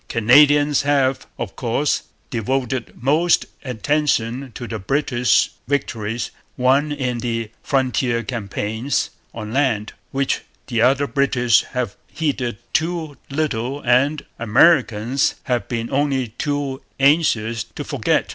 Canadians have, of course, devoted most attention to the British victories won in the frontier campaigns on land, which the other British have heeded too little and Americans have been only too anxious to forget.